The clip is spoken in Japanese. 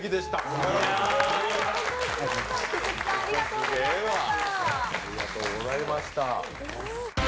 すげえわありがとうございました。